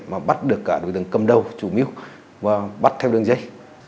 mà bắt được cả đối tượng cầm đầu chủ mưu và bắt theo đường dây